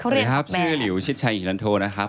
สวัสดีครับชื่อหลิวชิดชัยหญิงลันโทนะครับ